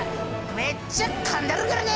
めっちゃかんだるからね！